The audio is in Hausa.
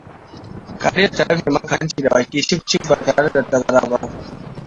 Kariyar ta rufe maka hanci da baki cif-cif ba tare da tazara ba.